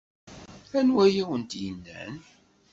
Anwa ay awent-yennan?